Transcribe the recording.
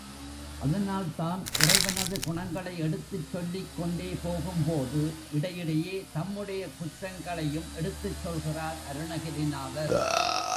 அதனால் தான் இறைவனது குணங்களை எடுத்துச் சொல்லிக் கொண்டே போகும்போது இடையிடையே தம்முடைய குற்றங்களையும் எடுத்துச் சொல்கிறார் அருணகிரிநாதர்.